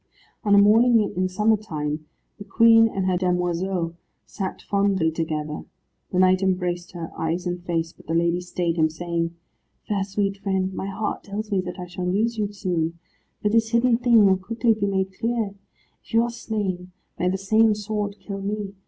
On a morning in summer time the Queen and the damoiseau sat fondly together. The knight embraced her, eyes and face, but the lady stayed him, saying, "Fair sweet friend, my heart tells me that I shall lose you soon, for this hidden thing will quickly be made clear. If you are slain, may the same sword kill me.